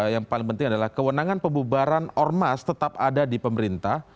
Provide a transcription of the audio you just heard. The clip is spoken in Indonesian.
yang paling penting adalah kewenangan pembubaran ormas tetap ada di pemerintah